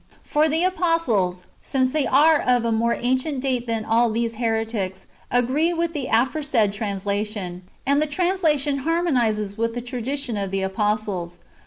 For the apostles, since they are of more ancient date than all these [heretics], agree with this aforesaid trans lation ; and the translation harmonizes with the tradition of the apostles.